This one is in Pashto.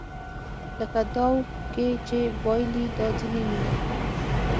لکه داو کې چې بایلي دا ځینې مینې